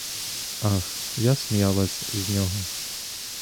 Ах, я сміялась з нього!